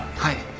はい。